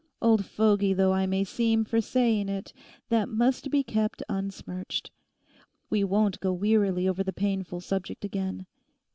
Old fogey though I may seem for saying it—that must be kept unsmirched. We won't go wearily over the painful subject again.